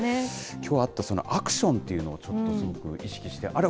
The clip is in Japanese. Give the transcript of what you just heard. きょうあったアクションというのをちょっとすごく意識して、あれ？